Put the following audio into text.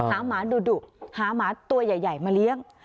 หมาดุหาหมาตัวใหญ่มาเลี้ยง